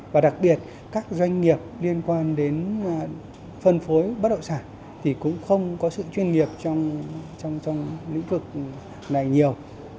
và đặc biệt các doanh nghiệp liên quan đến phân phối bất động sản thì cũng không có sự chuyên nghiệp trong lĩnh vực này nhiều